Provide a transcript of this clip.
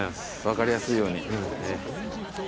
分かりやすいように。